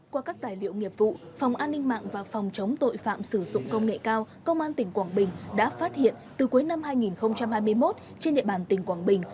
qua các tài liệu nghiệp vụ phòng an ninh mạng và phòng chống tội phạm sử dụng công nghệ cao công an tỉnh quảng bình đã phát hiện từ cuối năm hai nghìn hai mươi một trên địa bàn tỉnh quảng bình